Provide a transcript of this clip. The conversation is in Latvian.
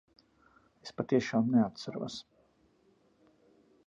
Es patiešām neatceros.